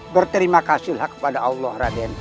berterima kasih kepada allah